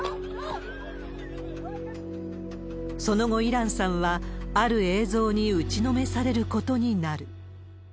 その後、イランさんは、ある映像に打ちのめされることになる。